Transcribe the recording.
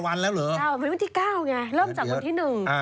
วันที่๙ไงเริ่มที่๑